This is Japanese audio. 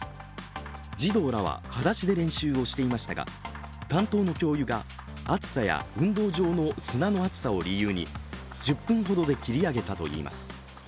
児童らははだしで練習をしていましたが担当の教諭が暑さや運動場の砂の熱さを理由に１０分ほどで切り上げたといいます。